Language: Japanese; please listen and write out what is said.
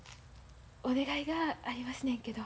お願いがありますねんけど。